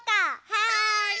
はい！